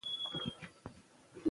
ما اورېدلي چې علم د بریا کیلي ده.